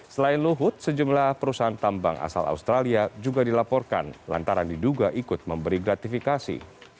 selain luhut sejumlah perusahaan tambang asal australia juga dilaporkan lantaran diduga ikut memberi gratifikasi